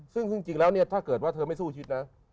ซึ่งจริงแล้วเนี่ยถ้าเกิดว่าเธอไม่สู้ชิดนะ